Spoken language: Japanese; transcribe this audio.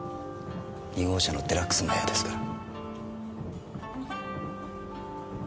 ２号車のデラックスの部屋ですから。